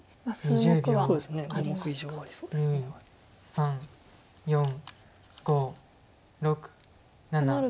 ３４５６７８。